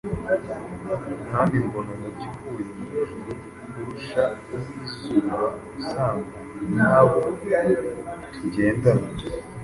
Mwami, mbona umucyo uvuye mu ijuru, urusha uw’izuba, unsangana n’abo tugendana.